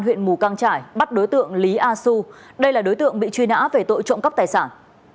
huyện mù căng trải bắt đối tượng lý a xu đây là đối tượng bị truy nã về tội trộm cắp tài sản